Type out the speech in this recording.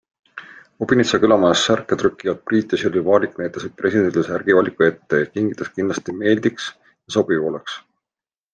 Obinitsa külamajas särke trükkivad Priit ja Sirli Vaarik näitasid presidendile särgivaliku ette, et kingitus kindlasti meeldiks ja sobiv oleks.